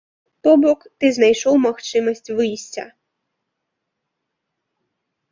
То бок ты знайшоў магчымасць выйсця.